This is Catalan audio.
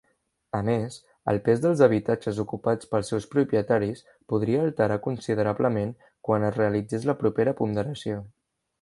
A més, el pes dels habitatges ocupats pels seus propietaris podria alterar considerablement quan es realitzés la propera ponderació.